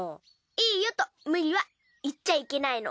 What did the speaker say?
「いいよ」と「無理」は言っちゃいけないの。